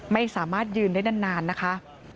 ไม่สามารถยืนได้นานนะคะ